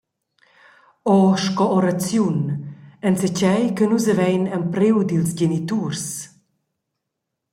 O sco oraziun: Enzatgei che nus havein empriu dils geniturs.